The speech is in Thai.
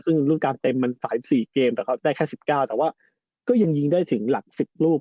ซึ่งรูปการณเต็มมัน๓๔เกมแต่ก็ได้แค่๑๙แต่ว่าก็ยังยิงได้ถึงหลัก๑๐ลูก